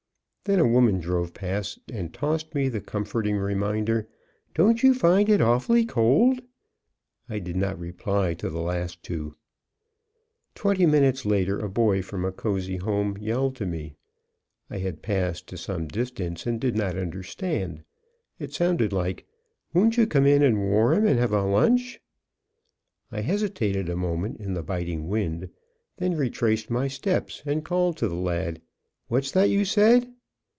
Then a woman drove past and tossed me the comforting reminder: "Don't you find it awfully cold?" I did not reply to the last two. Twenty minutes later a boy, from a cozy home, yelled to me. I had passed to some distance, and did not understand. It sounded like, "Won't you come in and warm, and have lunch," I hesitated a moment in the biting wind, then retraced my steps and called to the lad: "What's that you said?"